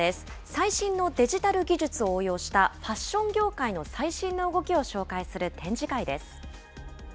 最新のデジタル技術を応用した、ファッション業界の最新の動きを紹介する展示会です。